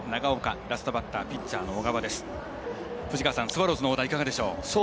スワローズのオーダーいかがでしょう？